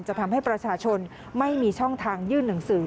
จะทำให้ประชาชนไม่มีช่องทางยื่นหนังสือ